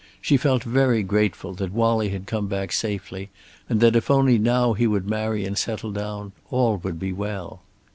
She felt very grateful that Wallie had come back safely, and that if only now he would marry and settle down all would be well.